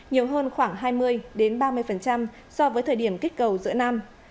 nhiều hơn khoảng hai mươi ba mươi so với thời điểm kích cầu giữa năm